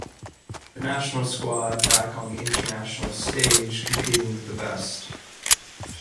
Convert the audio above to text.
The national squad back on the international stage competing with the best.